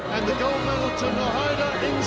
dan golnya untuk nohaida insan dari indonesia